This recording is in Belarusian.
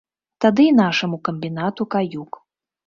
Тады і нашаму камбінату каюк.